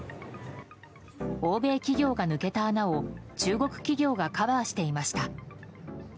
欧米企業が抜けた穴を中国企業がカバーしていました。